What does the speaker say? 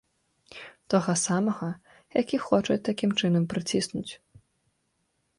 Тога самага, які хочуць такім чынам прыціснуць.